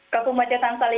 kampung baca tansal ini